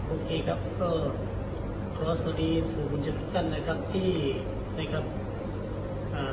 โอเคครับก็ว่าสวัสดีสู่หุ่นเจ้าพุทธรรมดีนะครับที่นะครับอ่า